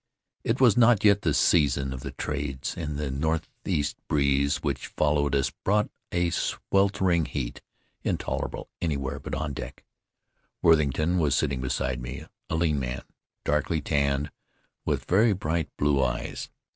It was not yet the season of the Trades, and the northeast breeze which followed us brought a swelter ing heat, intolerable anywhere but on deck. Worth ington was sitting beside me — a lean man, darkly tanned, with very bright blue eyes.